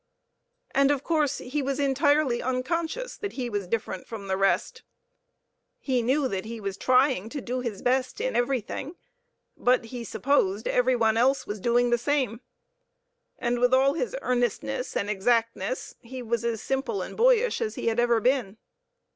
And, of course, he was entirely unconscious that he was different from the rest. He knew he was trying to do his best in everything, but he supposed every one else was doing the same. And with all his earnestness and exactness, he was as simple and boyish as he had ever been.